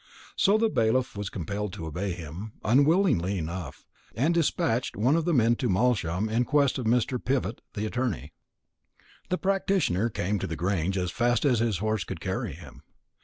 So the bailiff was compelled to obey him, unwillingly enough, and dispatched one of the men to Malsham in quest of Mr. Pivott the attorney. The practitioner came to the Grange as fast as his horse could carry him.